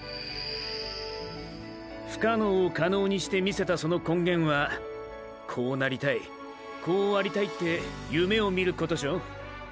不可能を可能にしてみせたその根源はこうなりたいこうありたいって夢を見ることショ。